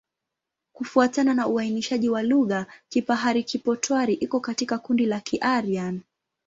Kufuatana na uainishaji wa lugha, Kipahari-Kipotwari iko katika kundi la Kiaryan.